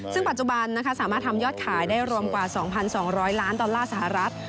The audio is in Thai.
ซึ่งปัจจุบันสามารถทำยอดขายได้รวมกว่า๒๒๐๐ล้านดอลลาร์สหรัฐ